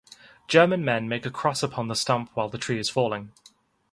German woodmen make a cross upon the stump while the tree is falling.